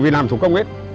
vì làm chủ công hết